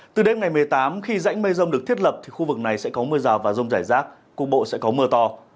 từ đêm ngày một mươi tám khi rãnh mây rông được thiết lập thì khu vực này sẽ có mưa rào và rông rải rác cục bộ sẽ có mưa to